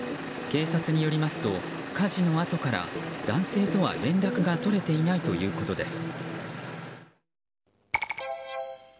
警察によりますと火事のあとから男性とは連絡が取れていないということです。